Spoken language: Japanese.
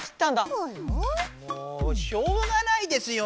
もうしょうがないですよ。